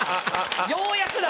ようやくだ！